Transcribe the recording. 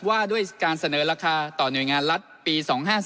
ว่าด้วยการเสนอราคาต่อหน่วยงานรัฐปี๒๕๔